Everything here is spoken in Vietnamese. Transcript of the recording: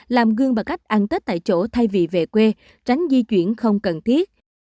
làm gương bằng cách ăn tết tại chỗ thay vì về quê tránh di chuyển không cần thiết